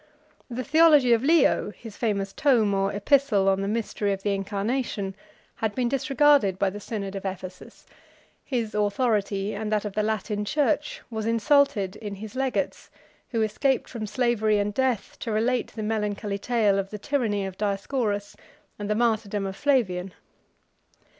The theology of Leo, his famous tome or epistle on the mystery of the incarnation, had been disregarded by the synod of Ephesus: his authority, and that of the Latin church, was insulted in his legates, who escaped from slavery and death to relate the melancholy tale of the tyranny of Dioscorus and the martyrdom of Flavian.